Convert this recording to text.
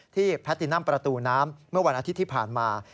แพทตินัมประตูน้ำเมื่อวันอาทิตย์ที่ผ่านมา